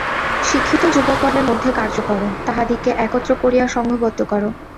শিক্ষিত যুবকগণের মধ্যে কার্য কর, তাহাদিগকে একত্র করিয়া সঙ্ঘবদ্ধ কর।